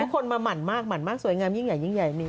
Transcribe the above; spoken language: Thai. คนมาหมั่นมากหมั่นมากสวยงามยิ่งใหญ่ยิ่งใหญ่มี